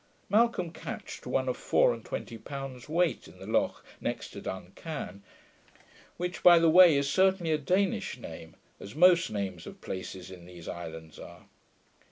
Malcolm catched one of four and twenty pounds weight in the loch next to Dun Can, which, by the way, is certainly a Danish name, as most names of places in these islands are.